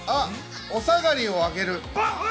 お下がりをあげる。